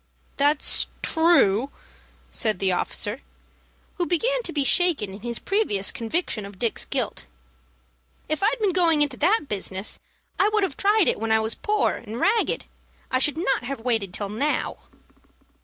"That's true," said the officer, who began to be shaken in his previous conviction of Dick's guilt. "If I'd been going into that business, I would have tried it when I was poor and ragged. I should not have waited till now."